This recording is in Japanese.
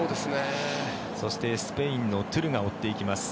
そしてスペインのトゥルが追っていきます。